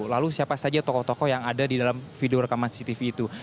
lalu siapa saja tokoh tokoh yang ada di dalam video rekaman cctv itu